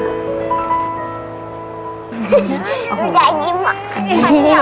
ฝันเหรอ